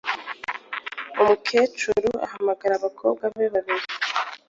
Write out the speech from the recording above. umukecuru ahamagara abakobwa be babiri,